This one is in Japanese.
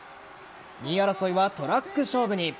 ２位争いはトラック勝負に。